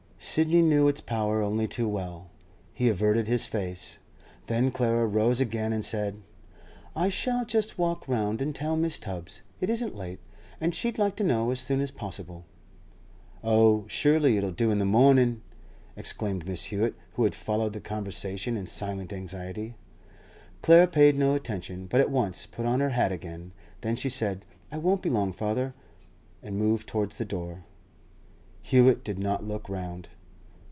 Sidney knew its power only too well; he averted his face. Then Clara rose again and said: 'I shall just walk round and tell Mrs. Tubbs. It isn't late, and she'd like to know as soon as possible.' 'Oh, surely it'll do in the mornin'!' exclaimed Mrs. Hewett, who had followed the conversation in silent anxiety. Clara paid no attention, but at once put on her hat again. Then she said, 'I won't be long, father,' and moved towards the door. Hewett did not look round.